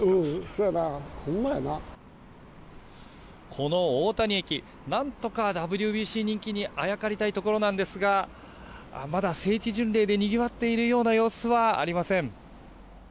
この大谷駅何とかＷＢＣ人気にあやかりたいところなんですがまだ聖地巡礼でにぎわっているような様子はありません。